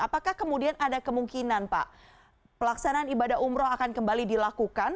apakah kemudian ada kemungkinan pak pelaksanaan ibadah umroh akan kembali dilakukan